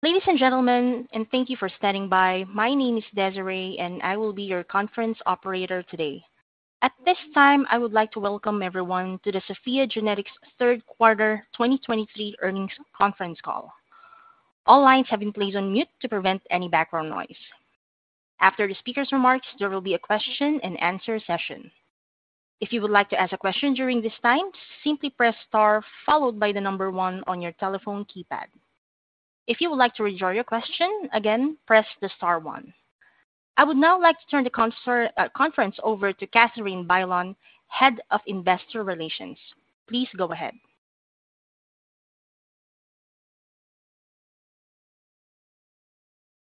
Ladies and gentlemen, and thank you for standing by. My name is Desiree, and I will be your conference operator today. At this time, I would like to welcome everyone to the SOPHiA GENETICS Q3 2023 Earnings Conference Call. All lines have been placed on mute to prevent any background noise. After the speaker's remarks, there will be a Q&A session. If you would like to ask a question during this time, simply press Star followed by the number one on your telephone keypad. If you would like to withdraw your question, again, press the star one. I would now like to turn the conference over to Katerina Bailon, Head of Investor Relations. Please go ahead.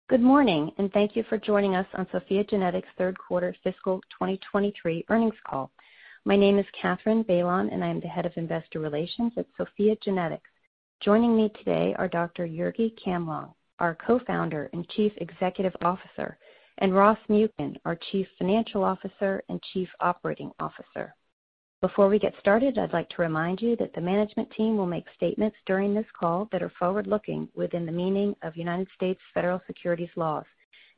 Good morning, and thank you for joining us on SOPHiA GENETICS' Q3 Fiscal 2023 Earnings Call. My name is Katerina Bailon, and I'm the Head of Investor Relations at SOPHiA GENETICS. Joining me today are Dr. Jurgi Camblong, our Co-founder and Chief Executive Officer, and Ross Muken, our Chief Financial Officer and Chief Operating Officer. Before we get started, I'd like to remind you that the management team will make statements during this call that are forward-looking within the meaning of United States federal securities laws.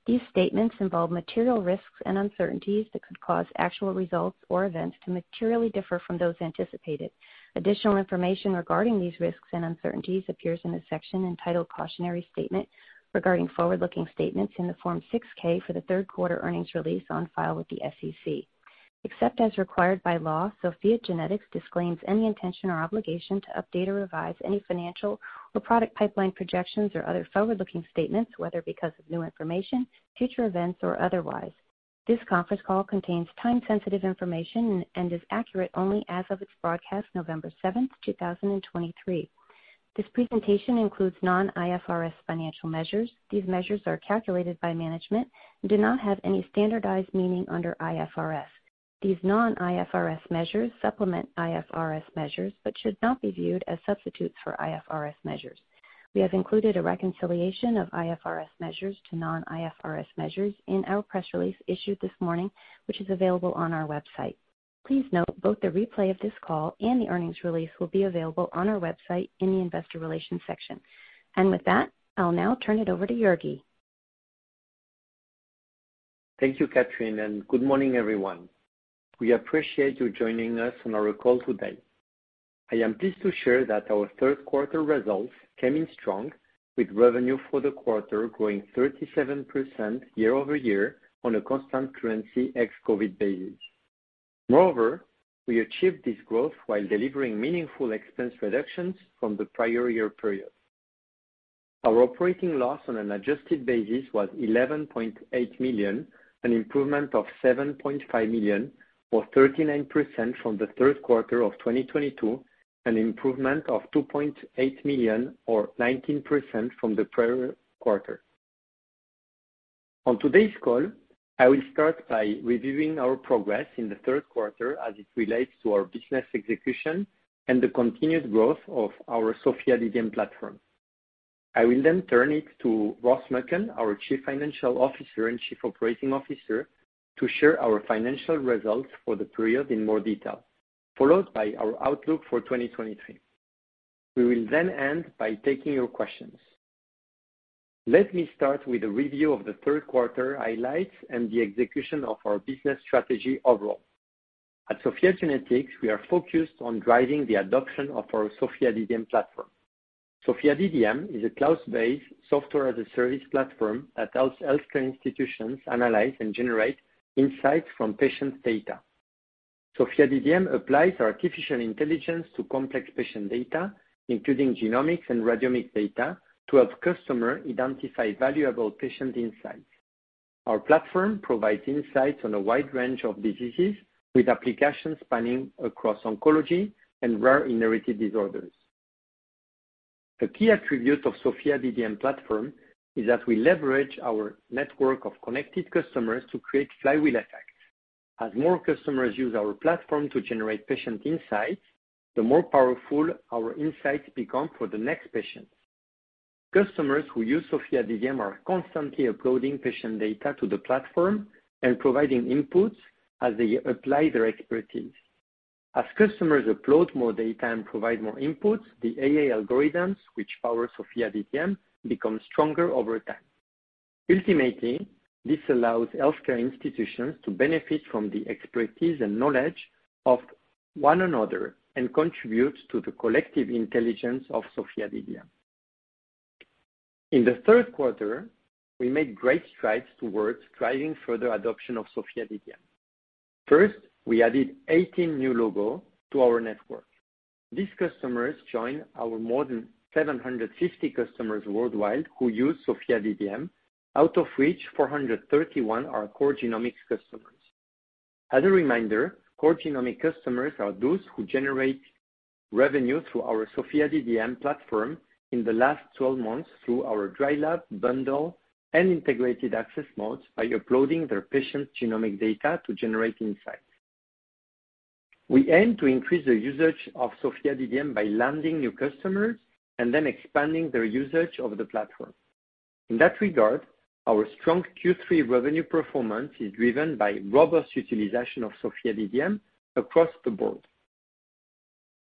These statements involve material risks and uncertainties that could cause actual results or events to materially differ from those anticipated. Additional information regarding these risks and uncertainties appears in a section entitled Cautionary Statement regarding forward-looking statements in the Form 6-K for the Q3 earnings release on file with the SEC. Except as required by law, SOPHiA GENETICS disclaims any intention or obligation to update or revise any financial or product pipeline projections or other forward-looking statements, whether because of new information, future events, or otherwise. This conference call contains time-sensitive information and is accurate only as of its broadcast, November 7, 2023. This presentation includes non-IFRS financial measures. These measures are calculated by management and do not have any standardized meaning under IFRS. These non-IFRS measures supplement IFRS measures, but should not be viewed as substitutes for IFRS measures. We have included a reconciliation of IFRS measures to non-IFRS measures in our press release issued this morning, which is available on our website. Please note, both the replay of this call and the earnings release will be available on our website in the Investor Relations section. With that, I'll now turn it over to Jurgi. Thank you, Katerina, and good morning, everyone. We appreciate you joining us on our call today. I am pleased to share that our Q3 results came in strong, with revenue for the quarter growing 37% year-over-year on a constant currency ex-COVID basis. Moreover, we achieved this growth while delivering meaningful expense reductions from the prior year period. Our operating loss on an adjusted basis was $11.8 million, an improvement of $7.5 million, or 39% from the Q3 of 2022, an improvement of $2.8 million, or 19% from the prior quarter. On today's call, I will start by reviewing our progress in the Q3 as it relates to our business execution and the continued growth of our SOPHiA DDM platform. I will then turn it to Ross Muken, our Chief Financial Officer and Chief Operating Officer, to share our financial results for the period in more detail, followed by our outlook for 2023. We will then end by taking your questions. Let me start with a review of the Q3 highlights and the execution of our business strategy overall. At SOPHiA GENETICS, we are focused on driving the adoption of our SOPHiA DDM platform. SOPHiA DDM is a cloud-based software-as-a-service platform that helps healthcare institutions analyze and generate insights from patient data. SOPHiA DDM applies artificial intelligence to complex patient data, including genomics and radiomics data, to help customers identify valuable patient insights. Our platform provides insights on a wide range of diseases, with applications spanning across oncology and rare inherited disorders. A key attribute of SOPHiA DDM platform is that we leverage our network of connected customers to create flywheel effect. As more customers use our platform to generate patient insights, the more powerful our insights become for the next patients. Customers who use SOPHiA DDM are constantly uploading patient data to the platform and providing inputs as they apply their expertise. As customers upload more data and provide more inputs, the AI algorithms, which power SOPHiA DDM, become stronger over time. Ultimately, this allows healthcare institutions to benefit from the expertise and knowledge of one another and contributes to the collective intelligence of SOPHiA DDM. In the Q3, we made great strides towards driving further adoption of SOPHiA DDM. First, we added 18 new logos to our network. These customers join our more than 750 customers worldwide who use SOPHiA DDM, out of which 431 are core genomics customers. As a reminder, core genomics customers are those who generate revenue through our SOPHiA DDM platform in the last 12 months through our dry lab, bundle, and integrated access modes by uploading their patient genomic data to generate insights. We aim to increase the usage of SOPHiA DDM by landing new customers and then expanding their usage of the platform. In that regard, our strong Q3 revenue performance is driven by robust utilization of SOPHiA DDM across the board.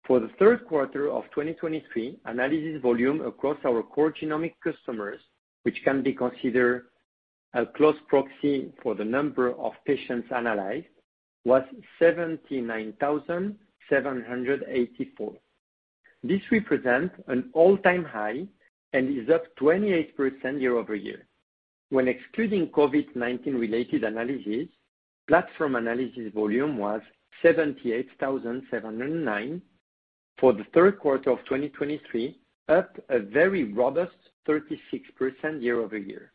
For the Q3 of 2023, analysis volume across our core genomic customers, which can be considered a close proxy for the number of patients analyzed, was 79,784. This represents an all-time high and is up 28% year-over-year. When excluding COVID-19 related analysis, platform analysis volume was 78,709 for the Q3 of 2023, up a very robust 36% year-over-year.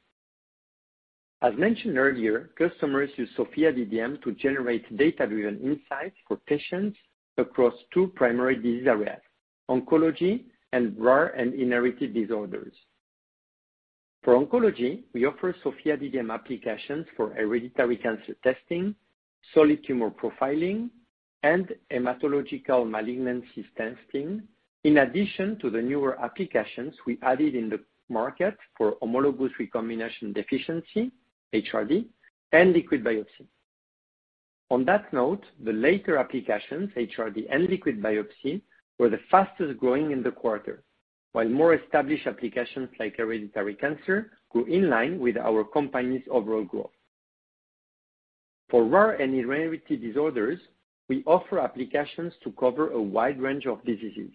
As mentioned earlier, customers use SOPHiA DDM to generate data-driven insights for patients across two primary disease areas, oncology and rare and inherited disorders. For oncology, we offer SOPHiA DDM applications for hereditary cancer testing, solid tumor profiling, and hematological malignancies testing. In addition to the newer applications we added in the market for homologous recombination deficiency, HRD, and liquid biopsy. On that note, the later applications, HRD and liquid biopsy, were the fastest growing in the quarter, while more established applications, like hereditary cancer, grew in line with our company's overall growth. For rare and inherited disorders, we offer applications to cover a wide range of diseases.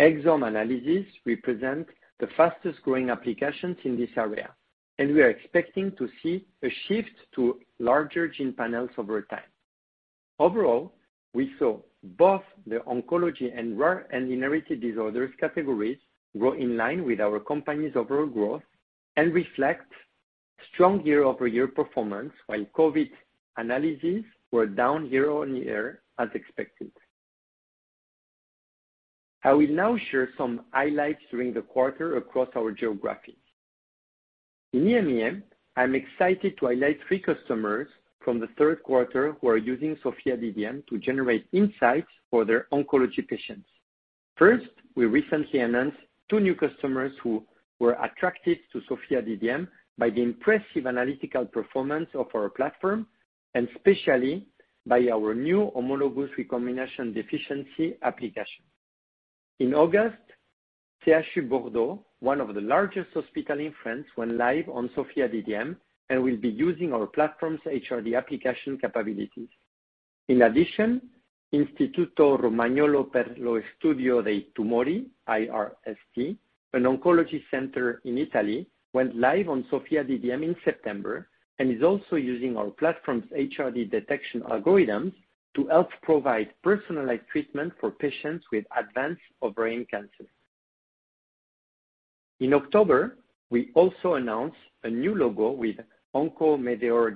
Exome analysis represent the fastest growing applications in this area, and we are expecting to see a shift to larger gene panels over time. Overall, we saw both the oncology and rare and inherited disorders categories grow in line with our company's overall growth and reflect strong year-over-year performance, while COVID analyses were down year-over-year, as expected. I will now share some highlights during the quarter across our geographies. In EMEA, I'm excited to highlight three customers from the Q3 who are using SOPHiA DDM to generate insights for their oncology patients. First, we recently announced two new customers who were attracted to SOPHiA DDM by the impressive analytical performance of our platform, and especially by our new homologous recombination deficiency application. In August, CHU de Bordeaux, one of the largest hospitals in France, went live on SOPHiA DDM, and will be using our platform's HRD application capabilities. In addition, Istituto Romagnolo per lo Studio dei Tumori, IRST, an oncology center in Italy, went live on SOPHiA DDM in September, and is also using our platform's HRD detection algorithms to help provide personalized treatment for patients with advanced ovarian cancer. In October, we also announced a new logo with Onko Medical,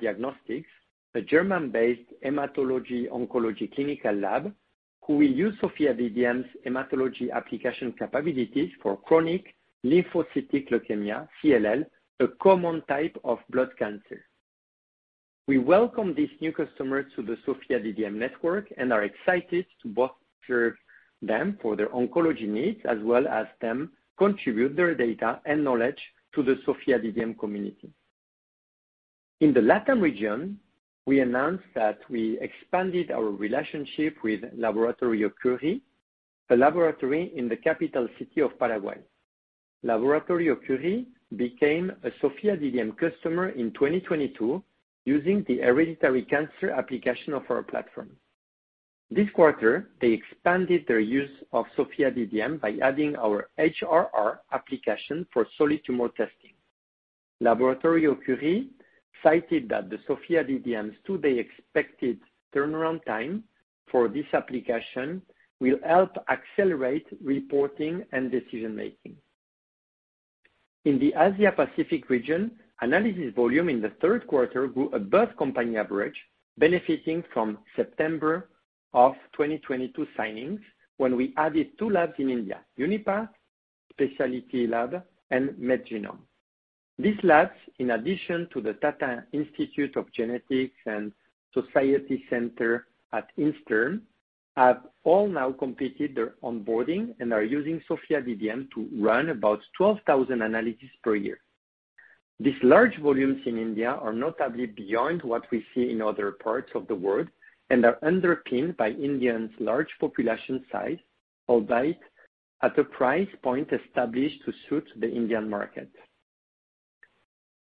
a German-based hematology oncology clinical lab, who will use SOPHiA DDM's hematology application capabilities for chronic lymphocytic leukemia, CLL, a common type of blood cancer. We welcome these new customers to the SOPHiA DDM network and are excited to both serve them for their oncology needs, as well as them contribute their data and knowledge to the SOPHiA DDM community. In the Latin region, we announced that we expanded our relationship with Laboratorio Curie, a laboratory in the capital city of Paraguay. Laboratorio Curie became a SOPHiA DDM customer in 2022, using the hereditary cancer application of our platform. This quarter, they expanded their use of SOPHiA DDM by adding our HRD application for solid tumor testing. Laboratorio Curie cited that the SOPHiA DDM's two-day expected turnaround time for this application will help accelerate reporting and decision-making. In the Asia Pacific region, analysis volume in the Q3 grew above company average, benefiting from September of 2022 signings, when we added two labs in India, Unipath Specialty Laboratory and MedGenome. These labs, in addition to the Tata Institute of Genetics and Society Center at inStem, have all now completed their onboarding and are using SOPHiA DDM to run about 12,000 analyses per year. These large volumes in India are notably beyond what we see in other parts of the world and are underpinned by India's large population size, albeit at a price point established to suit the Indian market.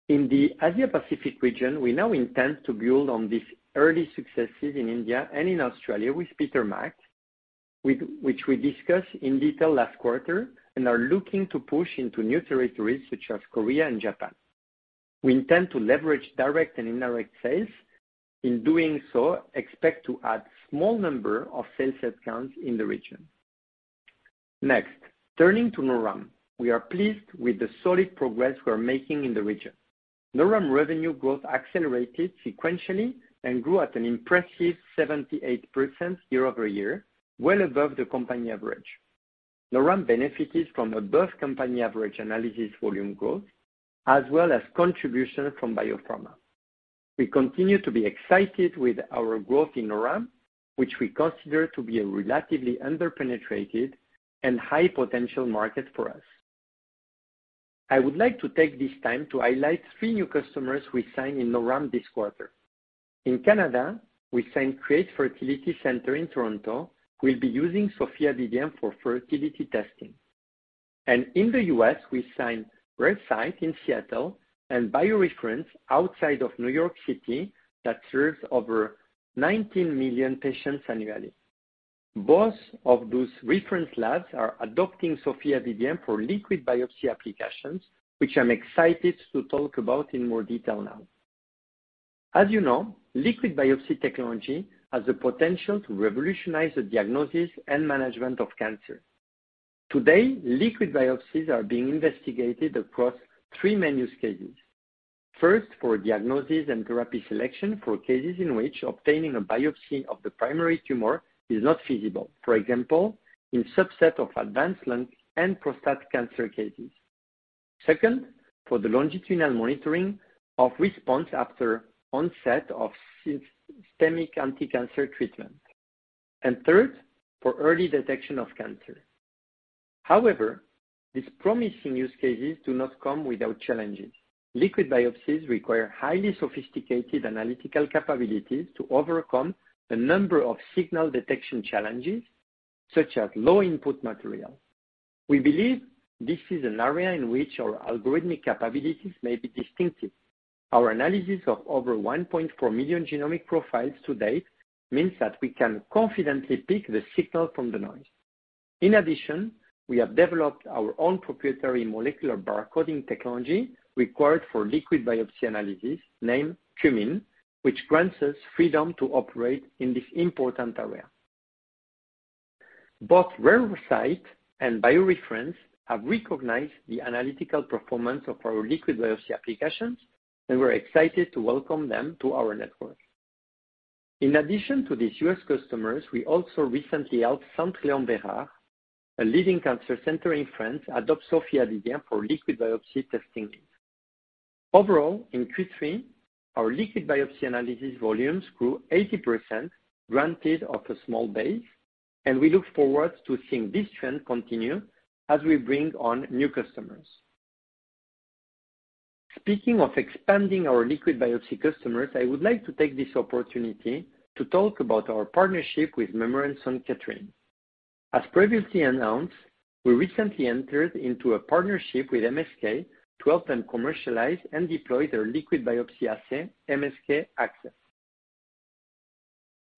In the Asia Pacific region, we now intend to build on these early successes in India and in Australia with Peter Mac, which we discussed in detail last quarter, and are looking to push into new territories, such as Korea and Japan. We intend to leverage direct and indirect sales. In doing so, expect to add small number of sales accounts in the region. Next, turning to NORAM. We are pleased with the solid progress we're making in the region. NORAM revenue growth accelerated sequentially and grew at an impressive 78% year-over-year, well above the company average. NORAM benefited from above company average analysis volume growth, as well as contribution from Biopharma. We continue to be excited with our growth in NORAM, which we consider to be a relatively underpenetrated and high potential market for us.... I would like to take this time to highlight three new customers we signed in the ramp this quarter. In Canada, we signed CReATe Fertility Centre in Toronto, who will be using SOPHiA DDM for fertility testing. In the US, we signed RareCyte in Seattle and BioReference outside of New York City, that serves over 19 million patients annually. Both of those reference labs are adopting SOPHiA DDM for liquid biopsy applications, which I'm excited to talk about in more detail now. As you know, liquid biopsy technology has the potential to revolutionize the diagnosis and management of cancer. Today, liquid biopsies are being investigated across three main use cases. First, for diagnosis and therapy selection for cases in which obtaining a biopsy of the primary tumor is not feasible. For example, in subset of advanced lung and prostate cancer cases. Second, for the longitudinal monitoring of response after onset of systemic anticancer treatment, and third, for early detection of cancer. However, these promising use cases do not come without challenges. Liquid biopsies require highly sophisticated analytical capabilities to overcome a number of signal detection challenges, such as low input material. We believe this is an area in which our algorithmic capabilities may be distinctive. Our analysis of over 1.4 million genomic profiles to date, means that we can confidently pick the signal from the noise. In addition, we have developed our own proprietary molecular barcoding technology required for liquid biopsy analysis, named CUMIN, which grants us freedom to operate in this important area. Both RareCyte and BioReference have recognized the analytical performance of our liquid biopsy applications, and we're excited to welcome them to our network. In addition to these U.S. customers, we also recently helped Centre Léon Bérard, a leading cancer center in France, adopt SOPHiA DDM for liquid biopsy testing. Overall, in Q3, our liquid biopsy analysis volumes grew 80%, granted off a small base, and we look forward to seeing this trend continue as we bring on new customers. Speaking of expanding our liquid biopsy customers, I would like to take this opportunity to talk about our partnership with Memorial Sloan Kettering. As previously announced, we recently entered into a partnership with MSK to help them commercialize and deploy their liquid biopsy assay, MSK-ACCESS.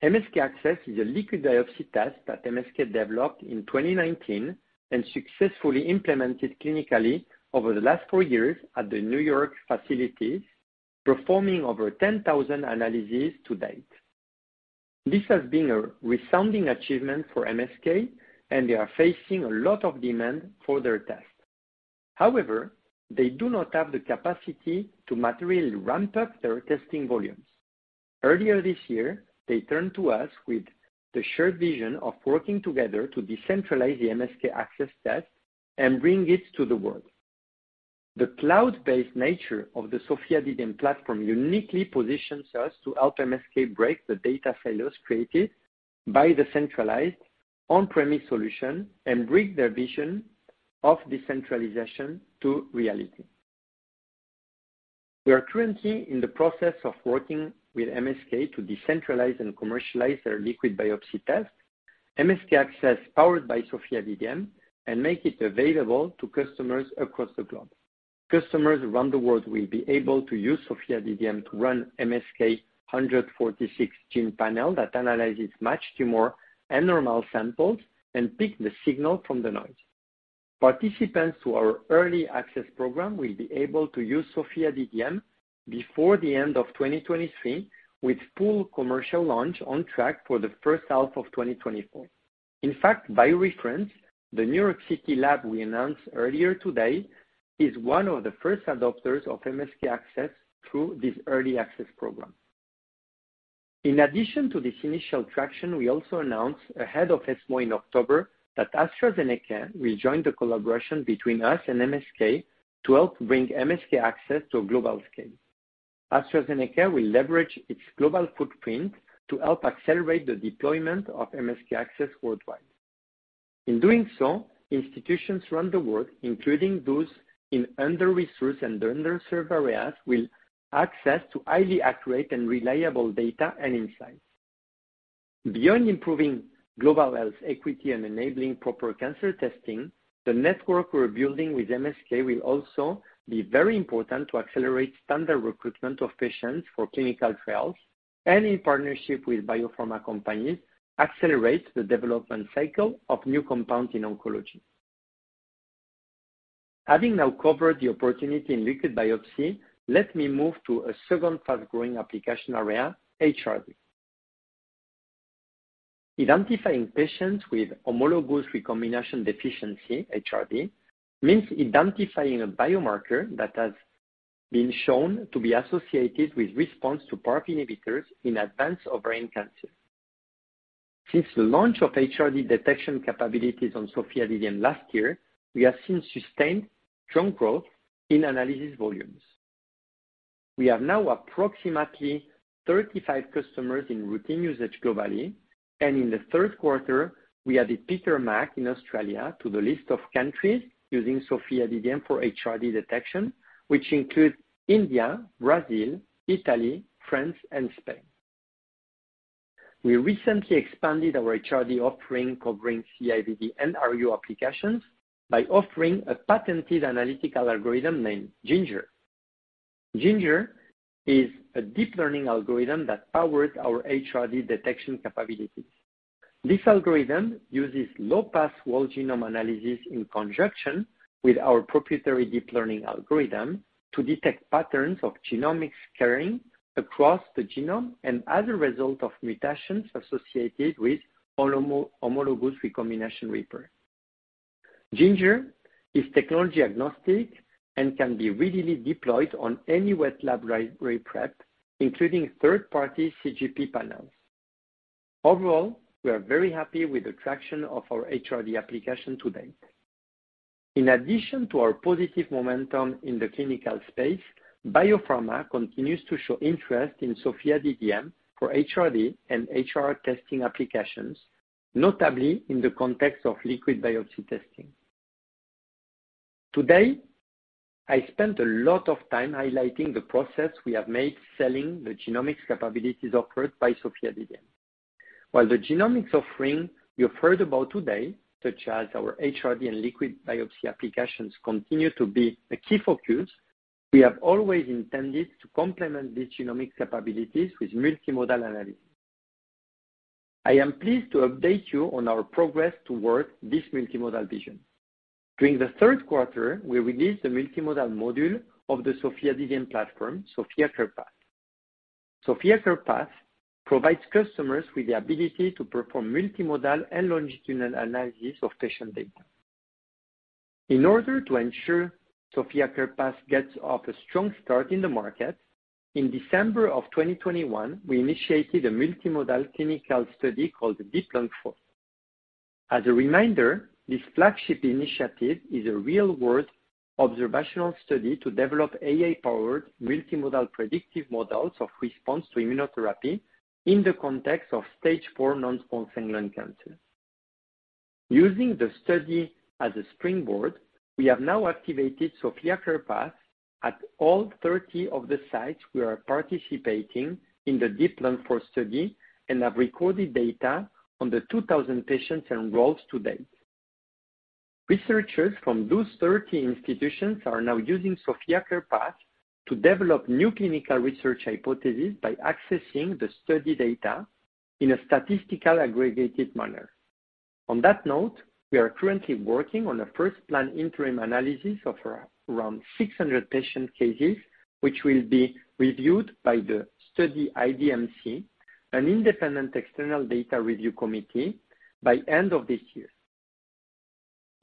MSK-ACCESS is a liquid biopsy test that MSK developed in 2019, and successfully implemented clinically over the last four years at the New York facility, performing over 10,000 analyses to date. This has been a resounding achievement for MSK, and they are facing a lot of demand for their test. However, they do not have the capacity to materially ramp up their testing volumes. Earlier this year, they turned to us with the shared vision of working together to decentralize the MSK-ACCESS test and bring it to the world. The cloud-based nature of the SOPHiA DDM platform uniquely positions us to help MSK break the data silos created by the centralized on-premise solution, and bring their vision of decentralization to reality. We are currently in the process of working with MSK to decentralize and commercialize their liquid biopsy test, MSK-ACCESS, powered by SOPHiA DDM, and make it available to customers across the globe. Customers around the world will be able to use SOPHiA DDM to run MSK-ACCESS 146-gene panel, that analyzes matched tumor and normal samples, and pick the signal from the noise. Participants to our early access program will be able to use SOPHiA DDM before the end of 2023, with full commercial launch on track for the first half of 2024. In fact, BioReference, the New York City lab we announced earlier today, is one of the first adopters of MSK-ACCESS through this early access program. In addition to this initial traction, we also announced ahead of ESMO in October that AstraZeneca will join the collaboration between us and MSK to help bring MSK-ACCESS to a global scale. AstraZeneca will leverage its global footprint to help accelerate the deployment of MSK-ACCESS worldwide. In doing so, institutions around the world, including those in under-resourced and underserved areas, will have access to highly accurate and reliable data and insights. Beyond improving global health equity and enabling proper cancer testing, the network we're building with MSK will also be very important to accelerate standard recruitment of patients for clinical trials. In partnership with biopharma companies, accelerate the development cycle of new compounds in oncology. Having now covered the opportunity in liquid biopsy, let me move to a second fast-growing application area, HRD. Identifying patients with homologous recombination deficiency, HRD, means identifying a biomarker that has been shown to be associated with response to PARP inhibitors in advanced ovarian cancer. Since the launch of HRD detection capabilities on SOPHiA DDM last year, we have seen sustained strong growth in analysis volumes... We have now approximately 35 customers in routine usage globally, and in the Q3, we added Peter Mac in Australia to the list of countries using SOPHiA DDM for HRD detection, which includes India, Brazil, Italy, France and Spain. We recently expanded our HRD offering, covering CIBD and RU applications, by offering a patented analytical algorithm named GINGER. GINGER is a deep learning algorithm that powers our HRD detection capabilities. This algorithm uses low-pass whole genome analysis in conjunction with our proprietary deep learning algorithm to detect patterns of genomic scarring across the genome and as a result of mutations associated with homologous recombination repair. GINGER is technology agnostic and can be readily deployed on any wet lab library prep, including third-party CGP panels. Overall, we are very happy with the traction of our HRD application to date. In addition to our positive momentum in the clinical space, biopharma continues to show interest in SOPHiA DDM for HRD and HR testing applications, notably in the context of liquid biopsy testing. Today, I spent a lot of time highlighting the progress we have made selling the genomics capabilities offered by SOPHiA DDM. While the genomics offering you heard about today, such as our HRD and liquid biopsy applications, continue to be a key focus, we have always intended to complement these genomics capabilities with multimodal analysis. I am pleased to update you on our progress towards this multimodal vision. During the Q3, we released the multimodal module of the SOPHiA DDM platform, SOPHiA CarePath. SOPHiA CarePath provides customers with the ability to perform multimodal and longitudinal analysis of patient data. In order to ensure SOPHiA CarePath gets off a strong start in the market, in December of 2021, we initiated a multimodal clinical study called DEEP-Lung-IV. As a reminder, this flagship initiative is a real-world observational study to develop AI-powered, multimodal predictive models of response to immunotherapy in the context of stage four non-small cell lung cancer. Using the study as a springboard, we have now activated SOPHiA CarePath at all 30 of the sites we are participating in the DEEP-Lung-IV study, and have recorded data on the 2,000 patients enrolled to date. Researchers from those 30 institutions are now using SOPHiA CarePath to develop new clinical research hypotheses by accessing the study data in a statistical, aggregated manner. On that note, we are currently working on a first planned interim analysis of around 600 patient cases, which will be reviewed by the study IDMC, an independent external data review committee, by end of this year.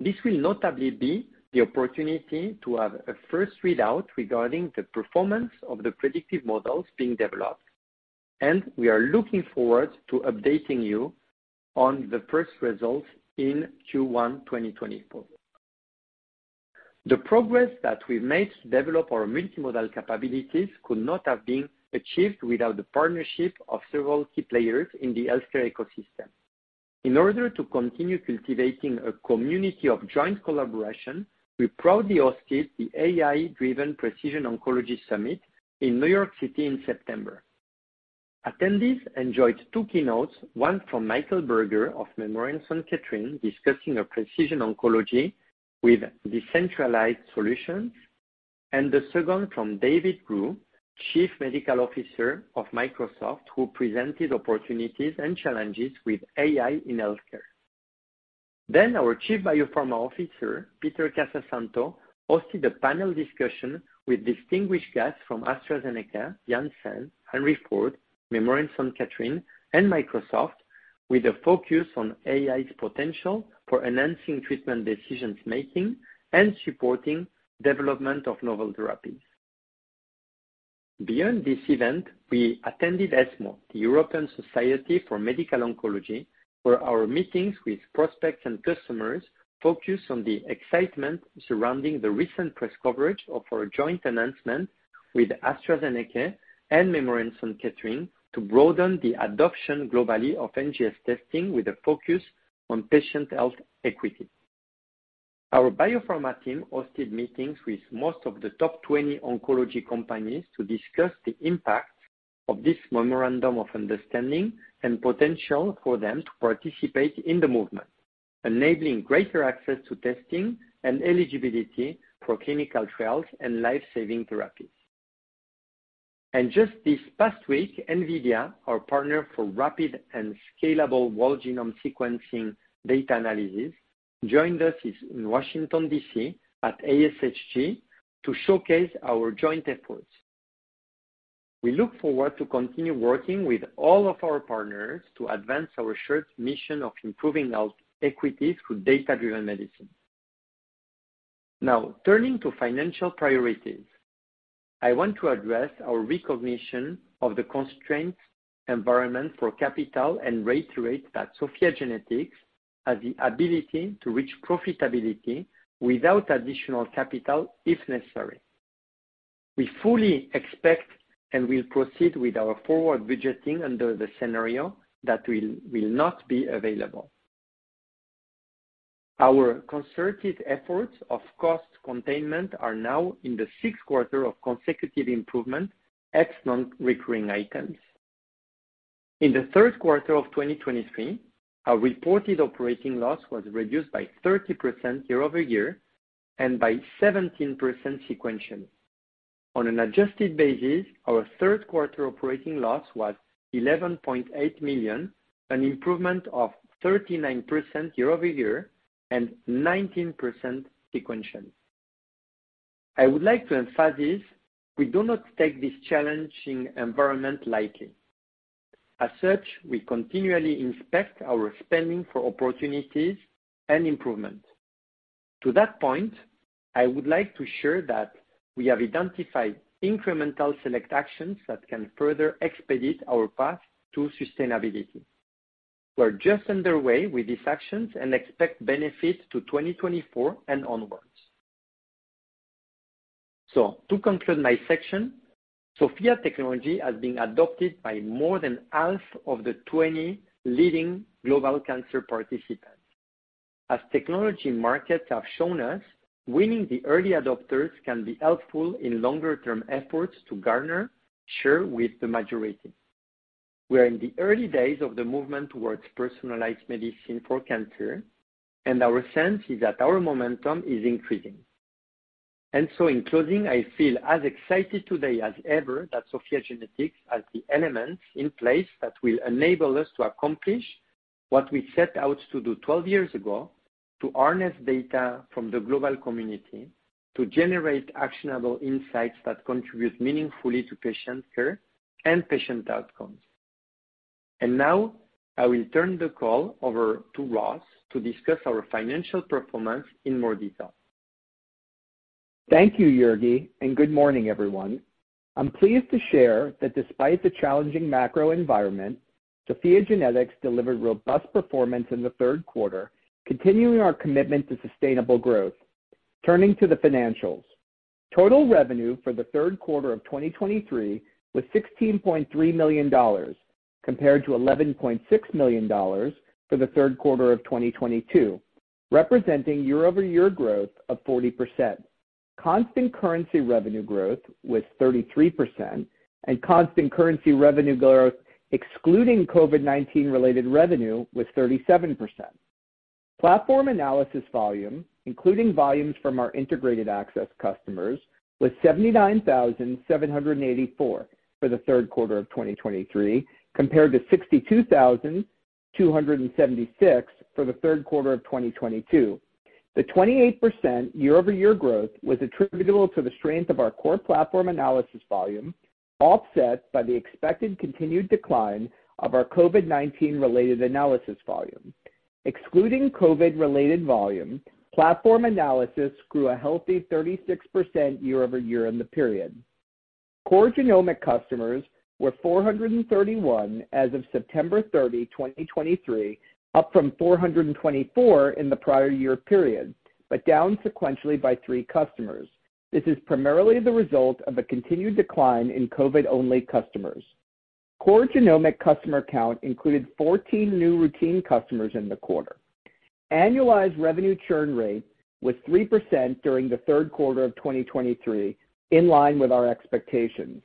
This will notably be the opportunity to have a first readout regarding the performance of the predictive models being developed, and we are looking forward to updating you on the first results in Q1, 2024. The progress that we've made to develop our multimodal capabilities could not have been achieved without the partnership of several key players in the healthcare ecosystem. In order to continue cultivating a community of joint collaboration, we proudly hosted the AI-Driven Precision Oncology Summit in New York City in September. Attendees enjoyed two keynotes, one from Michael Berger of Memorial Sloan Kettering, discussing a precision oncology with decentralized solutions, and the second from David Rhew, Chief Medical Officer of Microsoft, who presented opportunities and challenges with AI in healthcare. Then our Chief BioPharma Officer, Peter Casasanto, hosted a panel discussion with distinguished guests from AstraZeneca, Janssen, Henry Ford, Memorial Sloan Kettering, and Microsoft, with a focus on AI's potential for enhancing treatment decisions making and supporting development of novel therapies. Beyond this event, we attended ESMO, the European Society for Medical Oncology, where our meetings with prospects and customers focused on the excitement surrounding the recent press coverage of our joint announcement with AstraZeneca and Memorial Sloan Kettering to broaden the adoption globally of NGS testing, with a focus on patient health equity. Our biopharma team hosted meetings with most of the top 20 oncology companies to discuss the impact of this memorandum of understanding and potential for them to participate in the movement, enabling greater access to testing and eligibility for clinical trials and life-saving therapies. Just this past week, NVIDIA, our partner for rapid and scalable whole genome sequencing data analysis, joined us in Washington, D.C. at ASHG to showcase our joint efforts. We look forward to continue working with all of our partners to advance our shared mission of improving health equity through data-driven medicine. Now, turning to financial priorities, I want to address our recognition of the constrained environment for capital and rate hikes that SOPHiA GENETICS has the ability to reach profitability without additional capital, if necessary. We fully expect and will proceed with our forward budgeting under the scenario that will not be available. Our concerted efforts of cost containment are now in the 6th quarter of consecutive improvement, ex-nonrecurring items. In the Q3 of 2023, our reported operating loss was reduced by 30% year-over-year and by 17% sequentially. On an adjusted basis, our Q3 operating loss was $11.8 million, an improvement of 39% year-over-year and 19% sequentially. I would like to emphasize, we do not take this challenging environment lightly. As such, we continually inspect our spending for opportunities and improvement. To that point, I would like to share that we have identified incremental select actions that can further expedite our path to sustainability. We are just underway with these actions and expect benefits to 2024 and onwards. So to conclude my section, SOPHiA GENETICS has been adopted by more than half of the 20 leading global cancer participants. As technology markets have shown us, winning the early adopters can be helpful in longer-term efforts to garner share with the majority. We are in the early days of the movement towards personalized medicine for cancer, and our sense is that our momentum is increasing. In closing, I feel as excited today as ever that SOPHiA GENETICS has the elements in place that will enable us to accomplish what we set out to do 12 years ago, to harness data from the global community, to generate actionable insights that contribute meaningfully to patient care and patient outcomes. Now, I will turn the call over to Ross to discuss our financial performance in more detail. Thank you, Jurgi, and good morning, everyone. I'm pleased to share that despite the challenging macro environment, SOPHiA GENETICS delivered robust performance in the Q3, continuing our commitment to sustainable growth. Turning to the financials. Total revenue for the Q3 of 2023 was $16.3 million, compared to $11.6 million for the Q3 of 2022, representing year-over-year growth of 40%. Constant currency revenue growth was 33%, and constant currency revenue growth, excluding COVID-19 related revenue, was 37%. Platform analysis volume, including volumes from our integrated access customers, was 79,784 for the Q3 of 2023, compared to 62,276 for the Q3 of 2022. The 28% year-over-year growth was attributable to the strength of our core platform analysis volume, offset by the expected continued decline of our COVID-19-related analysis volume. Excluding COVID-related volume, platform analysis grew a healthy 36% year over year in the period. Core genomic customers were 431 as of September 30, 2023, up from 424 in the prior year period, but down sequentially by three customers. This is primarily the result of a continued decline in COVID-only customers. Core genomic customer count included 14 new routine customers in the quarter. Annualized revenue churn rate was 3% during the Q3 of 2023, in line with our expectations.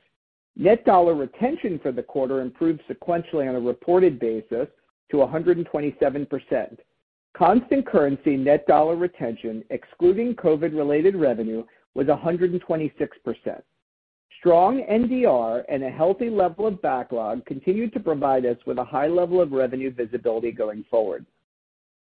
Net dollar retention for the quarter improved sequentially on a reported basis to 127%. Constant currency net dollar retention, excluding COVID-related revenue, was 126%. Strong NDR and a healthy level of backlog continued to provide us with a high level of revenue visibility going forward.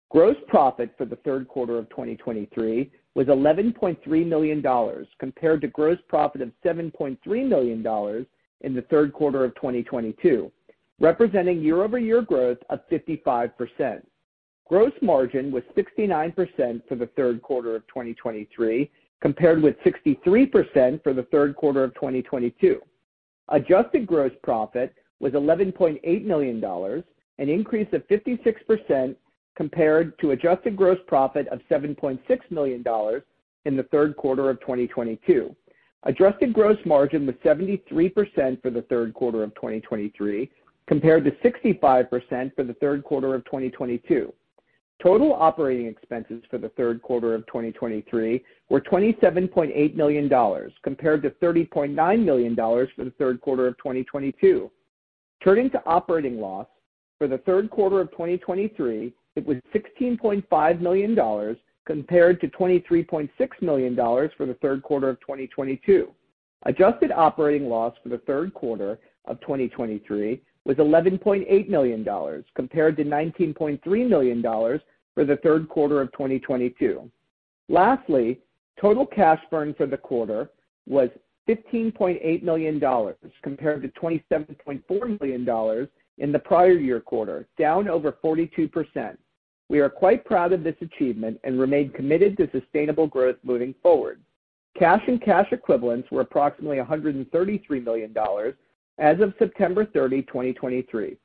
Gross profit for the Q3 of 2023 was $11.3 million, compared to gross profit of $7.3 million in the Q3 of 2022, representing year-over-year growth of 55%. Gross margin was 69% for the Q3 of 2023, compared with 63% for the Q3 of 2022. Adjusted gross profit was $11.8 million, an increase of 56% compared to adjusted gross profit of $7.6 million in the Q3 of 2022. Adjusted gross margin was 73% for the Q3 of 2023, compared to 65% for the Q3 of 2022. Total operating expenses for the Q3 of 2023 were $27.8 million, compared to $30.9 million for the Q3 of 2022. Turning to operating loss for the Q3 of 2023, it was $16.5 million, compared to $23.6 million for the Q3 of 2022. Adjusted operating loss for the Q3 of 2023 was $11.8 million, compared to $19.3 million for the Q3 of 2022. Lastly, total cash burn for the quarter was $15.8 million compared to $27.4 million in the prior year quarter, down over 42%. We are quite proud of this achievement and remain committed to sustainable growth moving forward. Cash and cash equivalents were approximately $133 million as of September 30, 2023.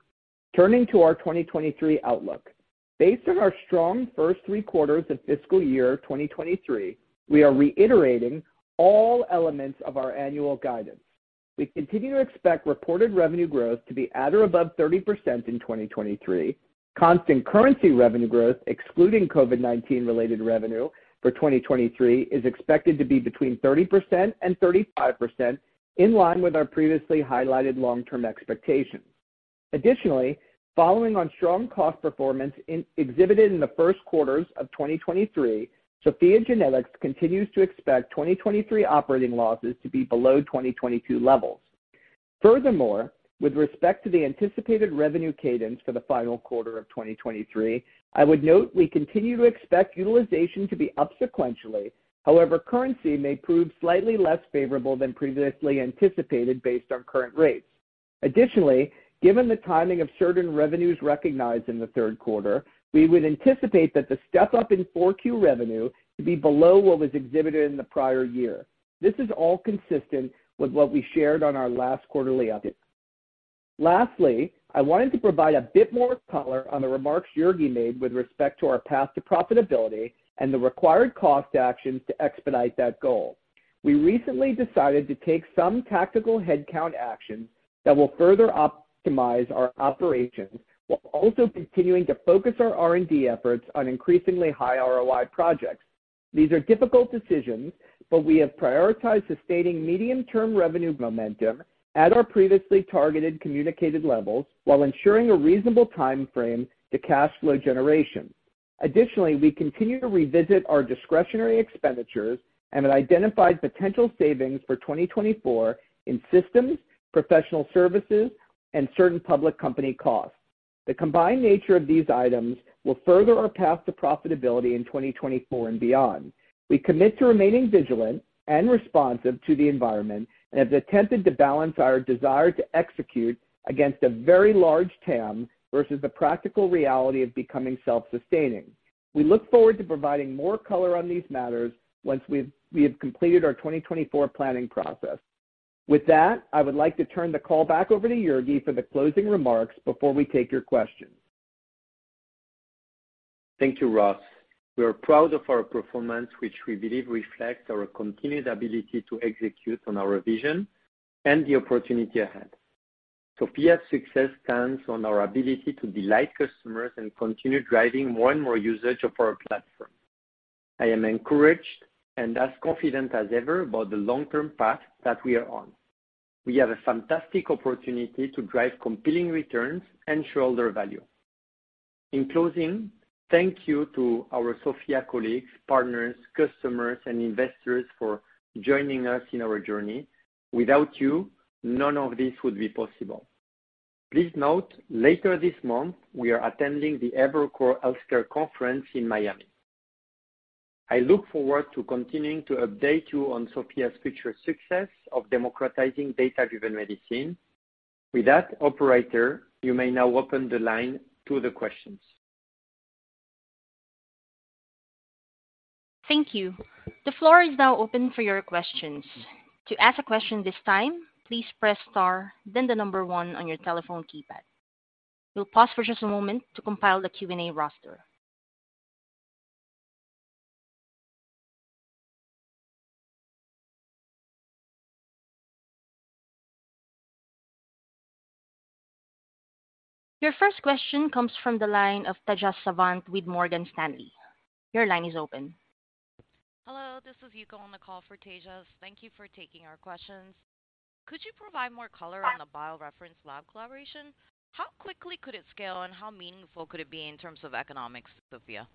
Turning to our 2023 outlook. Based on our strong first three quarters of fiscal year 2023, we are reiterating all elements of our annual guidance. We continue to expect reported revenue growth to be at or above 30% in 2023. Constant currency revenue growth, excluding COVID-19 related revenue for 2023, is expected to be between 30% and 35%, in line with our previously highlighted long-term expectations. Additionally, following on strong cost performance exhibited in the Q1 of 2023, SOPHiA GENETICS continues to expect 2023 operating losses to be below 2022 levels. Furthermore, with respect to the anticipated revenue cadence for the final quarter of 2023, I would note we continue to expect utilization to be up sequentially. However, currency may prove slightly less favorable than previously anticipated, based on current rates. Additionally, given the timing of certain revenues recognized in the Q3, we would anticipate that the step-up in Q4 revenue to be below what was exhibited in the prior year. This is all consistent with what we shared on our last quarterly update. Lastly, I wanted to provide a bit more color on the remarks Jurgi made with respect to our path to profitability and the required cost actions to expedite that goal. We recently decided to take some tactical headcount actions that will further optimize our operations, while also continuing to focus our R&D efforts on increasingly high ROI projects. These are difficult decisions, but we have prioritized sustaining medium-term revenue momentum at our previously targeted communicated levels, while ensuring a reasonable time frame to cash flow generation. Additionally, we continue to revisit our discretionary expenditures and have identified potential savings for 2024 in systems, professional services, and certain public company costs. The combined nature of these items will further our path to profitability in 2024 and beyond. We commit to remaining vigilant and responsive to the environment, and have attempted to balance our desire to execute against a very large TAM, versus the practical reality of becoming self-sustaining. We look forward to providing more color on these matters once we have completed our 2024 planning process. With that, I would like to turn the call back over to Jurgi for the closing remarks before we take your questions. Thank you, Ross. We are proud of our performance, which we believe reflects our continued ability to execute on our vision and the opportunity ahead. So SOPHiA's success stands on our ability to delight customers and continue driving more and more usage of our platform. I am encouraged and as confident as ever about the long-term path that we are on. We have a fantastic opportunity to drive compelling returns and shareholder value. In closing, thank you to our SOPHiA colleagues, partners, customers, and investors for joining us in our journey. Without you, none of this would be possible. Please note, later this month, we are attending the Evercore Healthcare Conference in Miami. I look forward to continuing to update you on SOPHiA's future success of democratizing data-driven medicine. With that, operator, you may now open the line to the questions. Thank you. The floor is now open for your questions. To ask a question this time, please press star, then the number one on your telephone keypad. We'll pause for just a moment to compile the Q&A roster. Your first question comes from the line of Tejas Savant with Morgan Stanley. Your line is open. Hello, this is Yuko on the call for Tejas. Thank you for taking our questions. Could you provide more color on the BioReference Lab collaboration? How quickly could it scale, and how meaningful could it be in terms of economics to SOPHiA?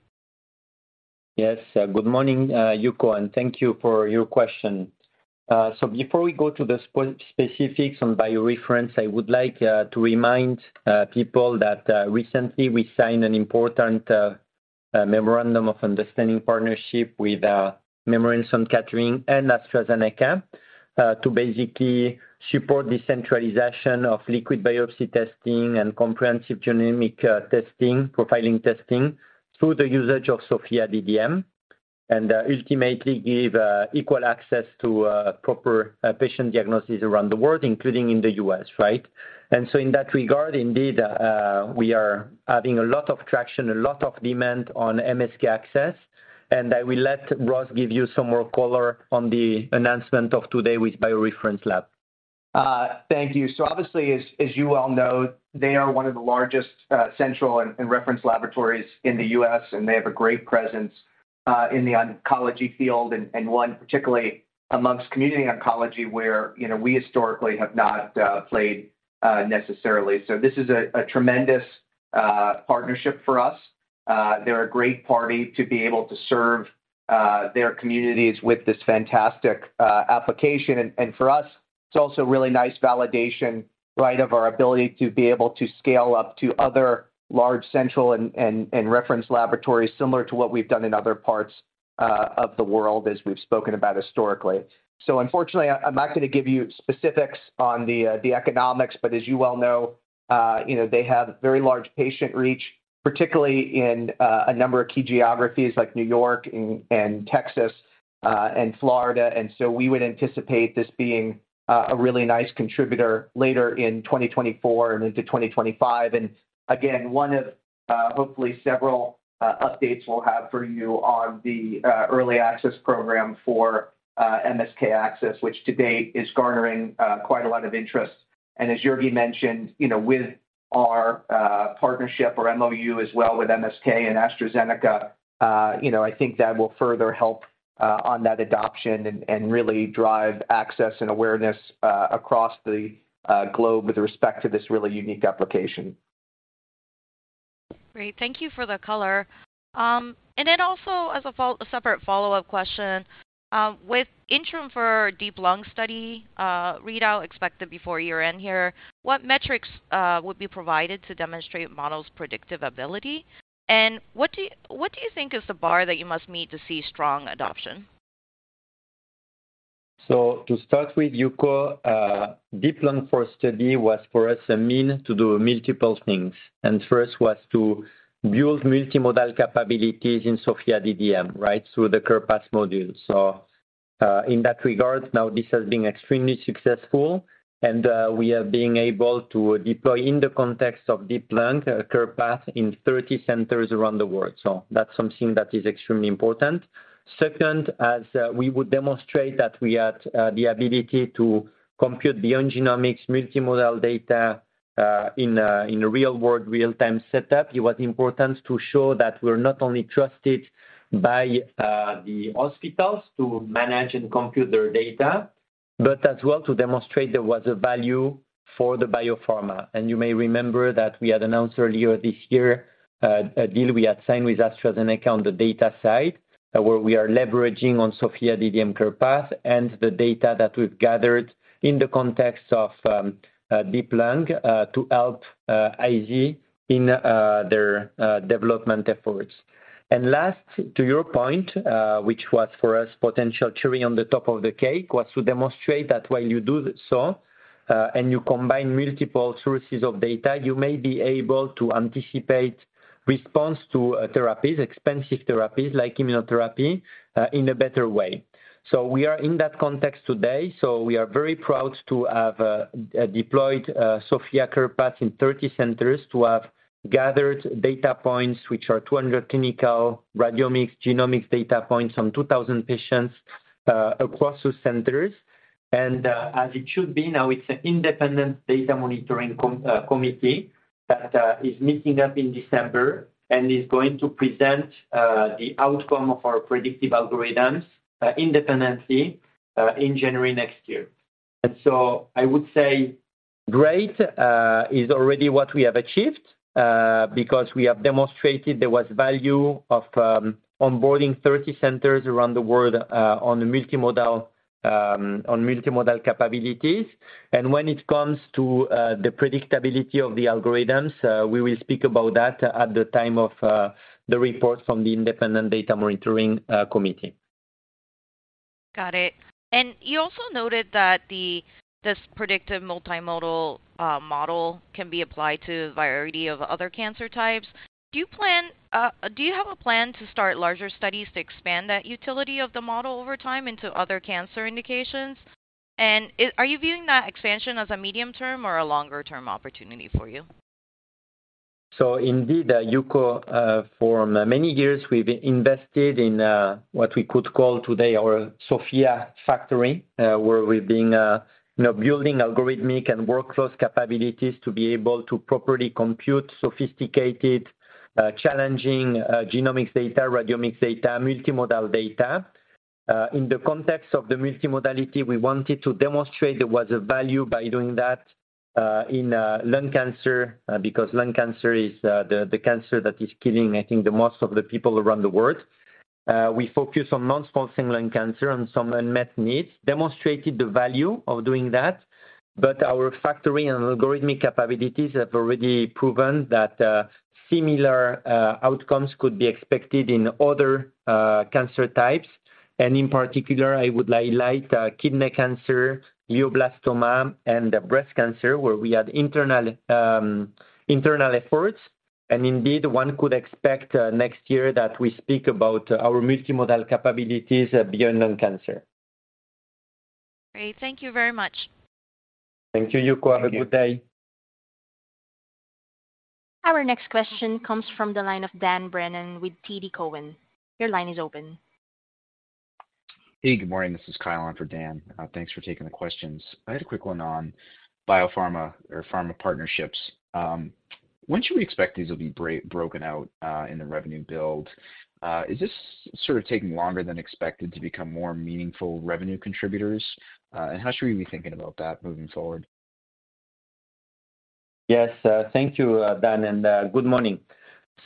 Yes. Good morning, Yuko, and thank you for your question. So before we go to the specifics on BioReference, I would like to remind people that recently we signed an important memorandum of understanding partnership with Memorial Sloan Kettering and AstraZeneca to basically support the centralization of liquid biopsy testing and comprehensive genomic testing, profiling testing, through the usage of SOPHiA DDM, and ultimately give equal access to proper patient diagnosis around the world, including in the U.S., right? And so in that regard, indeed, we are adding a lot of traction, a lot of demand on MSK-ACCESS, and I will let Ross give you some more color on the announcement of today with BioReference Lab. Thank you. So obviously, as you well know, they are one of the largest central and reference laboratories in the U.S., and they have a great presence in the oncology field, and one particularly amongst community oncology, where, you know, we historically have not played necessarily. So this is a tremendous partnership for us. They're a great party to be able to serve their communities with this fantastic application. And for us, it's also really nice validation, right, of our ability to be able to scale up to other large central and reference laboratories, similar to what we've done in other parts of the world, as we've spoken about historically. Unfortunately, I'm not going to give you specifics on the economics, but as you well know, you know, they have very large patient reach, particularly in a number of key geographies like New York and Texas and Florida. So we would anticipate this being a really nice contributor later in 2024 and into 2025. And again, one of, hopefully several, updates we'll have for you on the early access program for MSK-ACCESS, which to date is garnering quite a lot of interest. And as Jurgi mentioned, you know, with our partnership or MOU as well, with MSK and AstraZeneca, you know, I think that will further help on that adoption and really drive access and awareness across the globe with respect to this really unique application. Great. Thank you for the color. And then also as a separate follow-up question, with interim for DEEP-Lung study readout expected before year-end here, what metrics would be provided to demonstrate model's predictive ability? And what do you think is the bar that you must meet to see strong adoption? So to start with, Yuko, DEEP-Lung-IV study was for us a mean to do multiple things. First, was to build multimodal capabilities in SOPHiA DDM, right? Through the CarePath module. So, in that regard, now, this has been extremely successful, and, we are being able to deploy in the context of DEEP-Lung-I, CarePath in 30 centers around the world. So that's something that is extremely important. Second, as, we would demonstrate that we had, the ability to compute beyond genomics multimodal data, in a, in a real-world, real-time setup. It was important to show that we're not only trusted by, the hospitals to manage and compute their data, but as well, to demonstrate there was a value for the biopharma. You may remember that we had announced earlier this year a deal we had signed with AstraZeneca on the data side, where we are leveraging SOPHiA DDM CarePath and the data that we've gathered in the context of DEEP-Lung to help AstraZeneca in their development efforts. Lastly, to your point, which was for us potential cherry on the top of the cake, was to demonstrate that while you do so and you combine multiple sources of data, you may be able to anticipate response to therapies, expensive therapies like immunotherapy, in a better way. So we are in that context today, so we are very proud to have deployed SOPHiA CarePath in 30 centers to have gathered data points, which are 200 clinical radiomics, genomics data points on 2,000 patients across those centers. And, as it should be now, it's an independent data monitoring committee that is meeting up in December and is going to present the outcome of our predictive algorithms independently in January next year. And so I would say great is already what we have achieved because we have demonstrated there was value of onboarding 30 centers around the world on the multimodal, on multimodal capabilities. When it comes to the predictability of the algorithms, we will speak about that at the time of the report from the independent data monitoring committee. Got it. And you also noted that this predictive multimodal model can be applied to a variety of other cancer types. Do you have a plan to start larger studies to expand that utility of the model over time into other cancer indications? Are you viewing that expansion as a medium-term or a longer-term opportunity for you? So indeed, Yuko, for many years, we've invested in what we could call today our SOPHiA factory, where we've been, you know, building algorithmic and workflows capabilities to be able to properly compute sophisticated, challenging, genomics data, radiomics data, multimodal data. In the context of the multimodality, we wanted to demonstrate there was a value by doing that in lung cancer, because lung cancer is the cancer that is killing, I think the most of the people around the world. We focus on non-small cell lung cancer and some unmet needs. Demonstrated the value of doing that, but our factory and algorithmic capabilities have already proven that similar outcomes could be expected in other cancer types. In particular, I would like to highlight kidney cancer, glioblastoma, and breast cancer, where we had internal efforts. And indeed, one could expect next year that we speak about our multimodal capabilities beyond lung cancer. Great. Thank you very much. Thank you, Yuko. Have a good day. Our next question comes from the line of Dan Brennan with TD Cowen. Your line is open. Hey, good morning. This is Kyle on for Dan. Thanks for taking the questions. I had a quick one on biopharma or pharma partnerships. When should we expect these will be broken out in the revenue build? Is this sort of taking longer than expected to become more meaningful revenue contributors? And how should we be thinking about that moving forward? Yes, thank you, Dan, and good morning.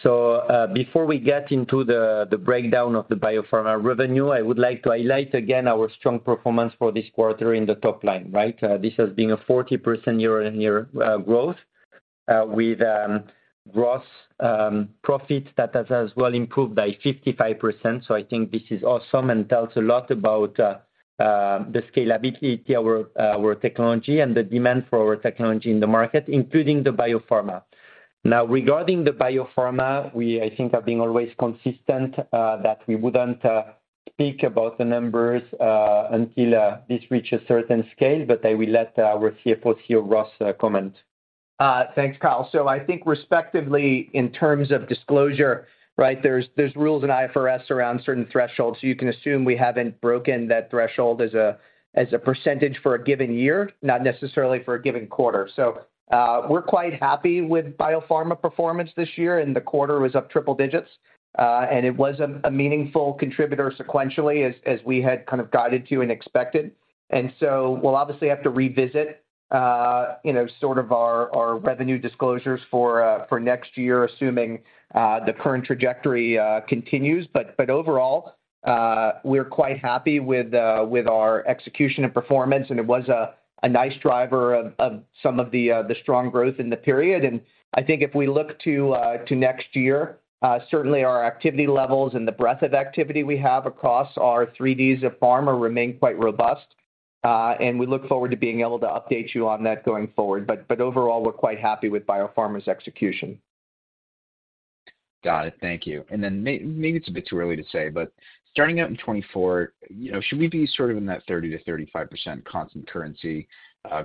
So, before we get into the breakdown of the biopharma revenue, I would like to highlight again our strong performance for this quarter in the top line, right? This has been a 40% year-on-year growth with gross profits that has as well improved by 55%. So I think this is awesome and tells a lot about the scalability of our technology and the demand for our technology in the market, including the biopharma. Now, regarding the biopharma, we, I think, have been always consistent that we wouldn't speak about the numbers until this reaches a certain scale, but I will let our CFO here, Ross, comment. Thanks, Kyle. So I think respectively, in terms of disclosure, right, there's rules in IFRS around certain thresholds. So you can assume we haven't broken that threshold as a percentage for a given year, not necessarily for a given quarter. So, we're quite happy with biopharma performance this year, and the quarter was up triple digits. And it was a meaningful contributor sequentially, as we had kind of guided to and expected. And so we'll obviously have to revisit, you know, sort of our revenue disclosures for next year, assuming the current trajectory continues. But overall, we're quite happy with our execution and performance, and it was a nice driver of some of the strong growth in the period. I think if we look to next year, certainly our activity levels and the breadth of activity we have across our 3Ds of pharma remain quite robust. We look forward to being able to update you on that going forward. But overall, we're quite happy with biopharma's execution. Got it. Thank you. And then maybe it's a bit too early to say, but starting out in 2024, you know, should we be sort of in that 30% to 35% constant currency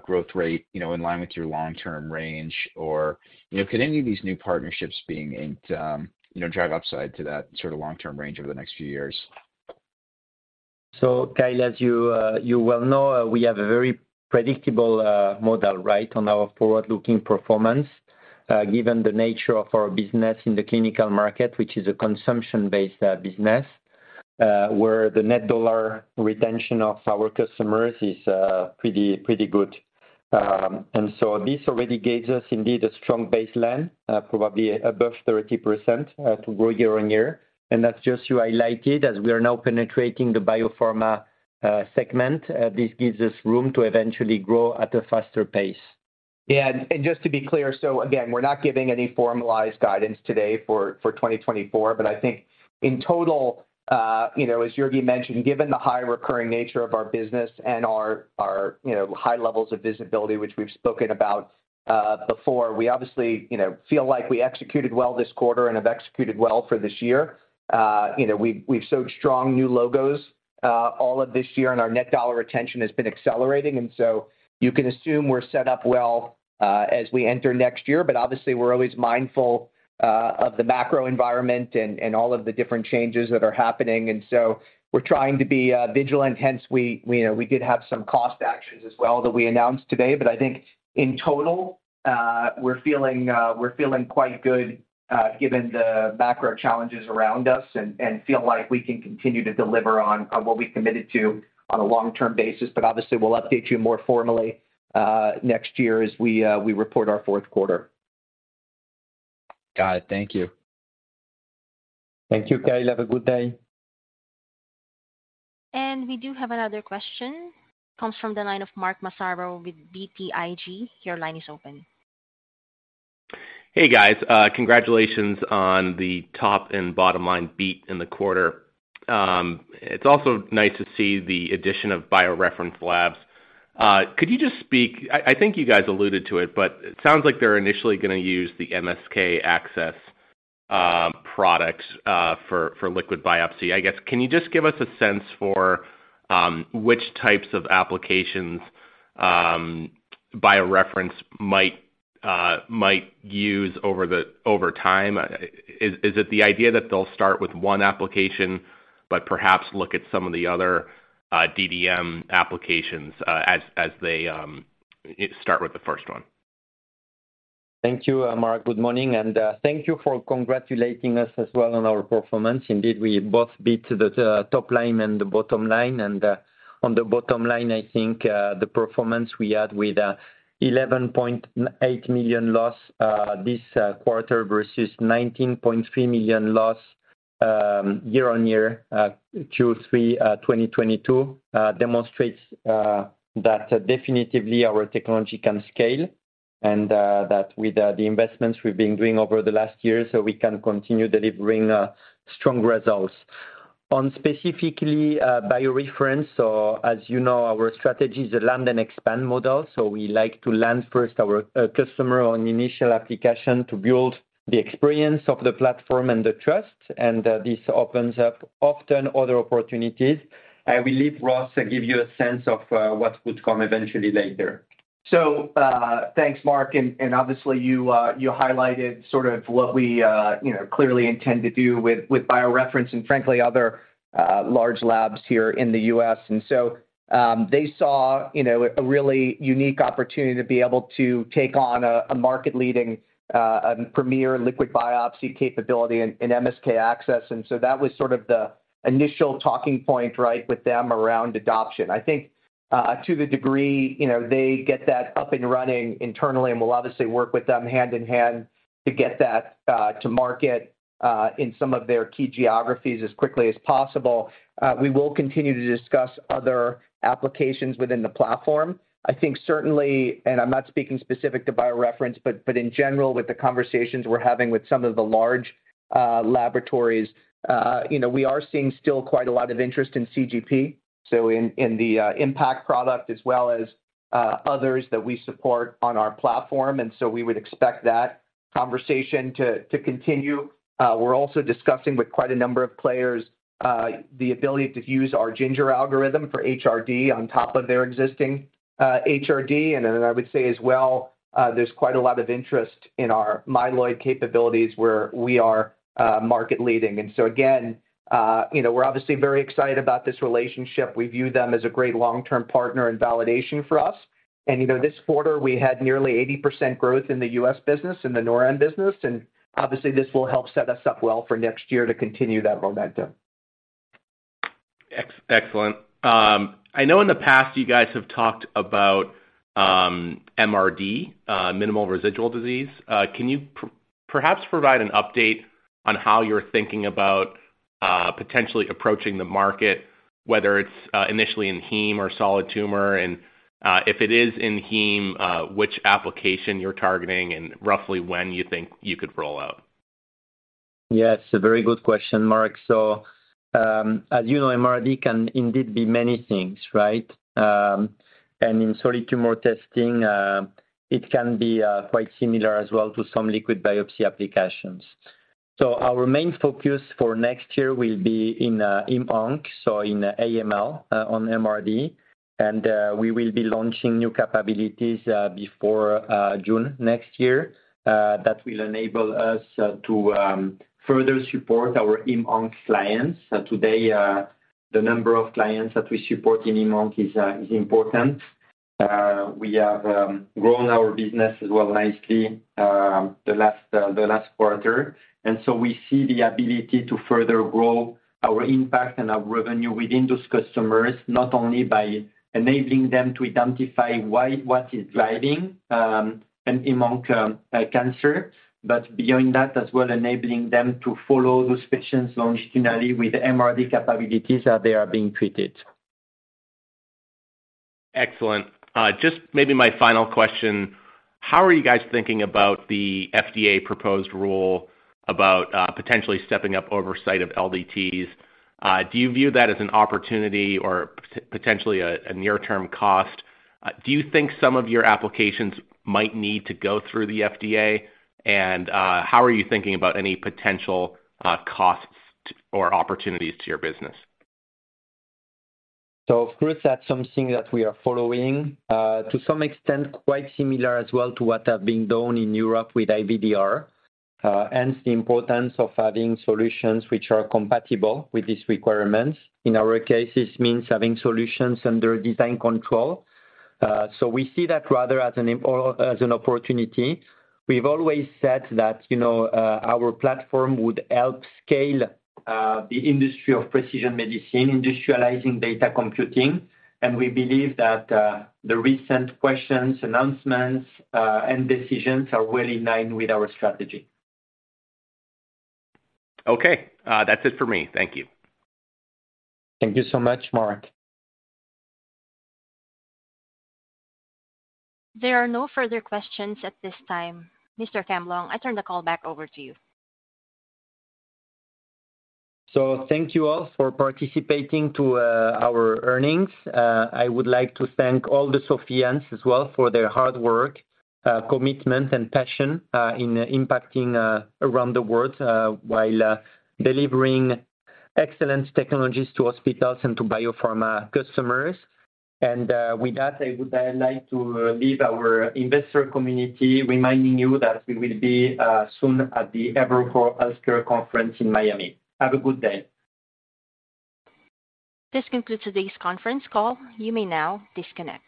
growth rate, you know, in line with your long-term range? Or, you know, could any of these new partnerships being inked, you know, drive upside to that sort of long-term range over the next few years? So Kyle, as you, you well know, we have a very predictable, model, right, on our forward-looking performance, given the nature of our business in the clinical market, which is a consumption-based, business, where the net dollar retention of our customers is, pretty, pretty good. And so this already gives us indeed a strong baseline, probably above 30%, to grow year-on-year. And that's just to highlight it, as we are now penetrating the biopharma, segment, this gives us room to eventually grow at a faster pace. Yeah, and just to be clear, so again, we're not giving any formalized guidance today for 2024, but I think in total, you know, as Jurgi mentioned, given the high recurring nature of our business and our, you know, high levels of visibility, which we've spoken about before, we obviously, you know, feel like we executed well this quarter and have executed well for this year. You know, we've showed strong new logos all of this year, and our net dollar retention has been accelerating, and so you can assume we're set up well as we enter next year. But obviously, we're always mindful of the macro environment and all of the different changes that are happening. And so we're trying to be vigilant. Hence, we know we did have some cost actions as well that we announced today. But I think in total, we're feeling quite good, given the macro challenges around us and feel like we can continue to deliver on what we committed to on a long-term basis. But obviously, we'll update you more formally next year as we report our Q4. Got it. Thank you. Thank you, Kyle. Have a good day. We do have another question. Comes from the line of Mark Massaro with BTIG. Your line is open. Hey, guys, congratulations on the top and bottom line beat in the quarter. It's also nice to see the addition of BioReference Labs. Could you just speak. I think you guys alluded to it, but it sounds like they're initially gonna use the MSK-ACCESS product for liquid biopsy. I guess, can you just give us a sense for which types of applications BioReference might use over time? Is it the idea that they'll start with one application, but perhaps look at some of the other DDM applications as they start with the first one? Thank you, Mark. Good morning, and thank you for congratulating us as well on our performance. Indeed, we both beat the top line and the bottom line. And on the bottom line, I think the performance we had with $11.8 million loss this quarter versus $19.3 million loss year-on-year Q3 2022 demonstrates that definitively our technology can scale, and that with the investments we've been doing over the last year, so we can continue delivering strong results. On specifically BioReference, so as you know, our strategy is a land and expand model, so we like to land first our customer on initial application to build the experience of the platform and the trust, and this opens up often other opportunities. I will leave Ross give you a sense of what would come eventually later. So, thanks, Mark. Obviously, you highlighted sort of what we, you know, clearly intend to do with BioReference and frankly, other large labs here in the U.S. They saw, you know, a really unique opportunity to be able to take on a market-leading premier liquid biopsy capability in MSK-ACCESS. That was sort of the initial talking point, right, with them around adoption. I think, to the degree, you know, they get that up and running internally, and we'll obviously work with them hand in hand to get that to market in some of their key geographies as quickly as possible. We will continue to discuss other applications within the platform. I think certainly, and I'm not speaking specific to BioReference, but, but in general, with the conversations we're having with some of the large laboratories. You know, we are seeing still quite a lot of interest in CGP, so in the IMPACT product as well as others that we support on our platform. And so we would expect that conversation to continue. We're also discussing with quite a number of players the ability to use our GINGER algorithm for HRD on top of their existing HRD. And then I would say as well, there's quite a lot of interest in our myeloid capabilities, where we are market leading. And so again, you know, we're obviously very excited about this relationship. We view them as a great long-term partner and validation for us. You know, this quarter, we had nearly 80% growth in the U.S. business, in the NORAM business, and obviously, this will help set us up well for next year to continue that momentum. Excellent. I know in the past you guys have talked about MRD, Minimal Residual Disease. Can you perhaps provide an update on how you're thinking about potentially approaching the market, whether it's initially in heme or solid tumor, and if it is in heme, which application you're targeting and roughly when you think you could roll out? Yes, a very good question, Mark. So, as you know, MRD can indeed be many things, right? And in solid tumor testing, it can be quite similar as well to some liquid biopsy applications. So our main focus for next year will be in onc, so in AML on MRD. And we will be launching new capabilities before June next year that will enable us to further support our in onc clients. So today, the number of clients that we support in onc is important. We have grown our business as well nicely, the last quarter, and so we see the ability to further grow our impact and our revenue within those customers, not only by enabling them to identify why, what is driving a heme cancer, but beyond that, as well, enabling them to follow those patients longitudinally with the MRD capabilities that they are being treated. Excellent. Just maybe my final question, how are you guys thinking about the FDA proposed rule about, potentially stepping up oversight of LDTs? Do you view that as an opportunity or potentially a near-term cost? Do you think some of your applications might need to go through the FDA? And, how are you thinking about any potential, costs or opportunities to your business? So of course, that's something that we are following, to some extent, quite similar as well to what have been done in Europe with IVDR, hence the importance of having solutions which are compatible with these requirements. In our case, this means having solutions under design control. So we see that rather as an impediment or as an opportunity. We've always said that, you know, our platform would help scale the industry of precision medicine, industrializing data computing, and we believe that the recent questions, announcements, and decisions are well in line with our strategy. Okay. That's it for me. Thank you. Thank you so much, Mark. There are no further questions at this time. Mr. Camblong, I turn the call back over to you. Thank you all for participating to our earnings. I would like to thank all the Sophians as well for their hard work, commitment, and passion in impacting around the world while delivering excellent technologies to hospitals and to biopharma customers. With that, I would like to leave our investor community, reminding you that we will be soon at the Evercore Healthcare Conference in Miami. Have a good day. This concludes today's conference call. You may now disconnect.